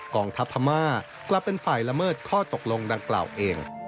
กองทัพพม่ากลับเป็นฝ่ายละเมิดข้อตกลงดังกล่าวเอง